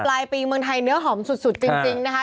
ปลายปีเมืองไทยเนื้อหอมสุดจริงนะคะ